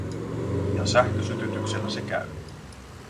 Ja sähkösytytyksellä se käy.